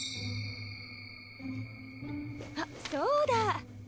あっそうだ！